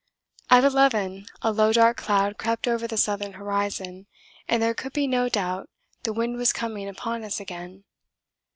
At 11 a low dark cloud crept over the southern horizon and there could be no doubt the wind was coming upon us again.